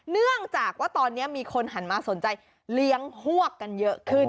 เนื่องจากว่าตอนนี้มีคนหันมาสนใจเลี้ยงฮวกกันเยอะขึ้น